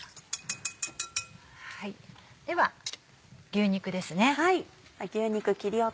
では牛肉ですね。